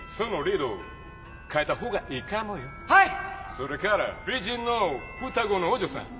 それから美人の双子のお嬢さん。